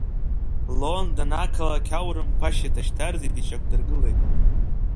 Лондон ақалақь аурымқәа ашьаҭа шьҭарҵеит ишьақәдыргылеит.